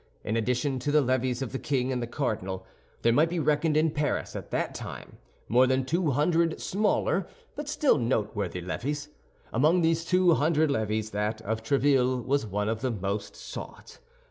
In addition to the levees of the king and the cardinal, there might be reckoned in Paris at that time more than two hundred smaller but still noteworthy levees. Among these two hundred levees, that of Tréville was one of the most sought.